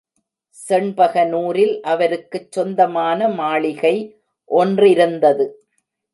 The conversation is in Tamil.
செண்பகனூரில் அவருக்குச் சொந்தமான மாளிகை ஒன்றிருந்தது.